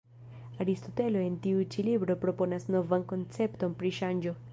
Aristotelo en tiu ĉi libro proponas novan koncepton pri ŝanĝo.